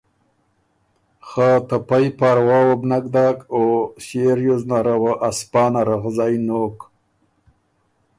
خه ته پئ پاروا وه بو نک داک او ݭيې ریوز نره وه ا سپانه رغزئ نوک